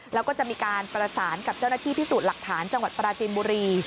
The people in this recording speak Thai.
แล้วก็จะมีการประสานกับเจ้าหน้าที่พิสูจน์หลักฐานจังหวัดปราจินบุรี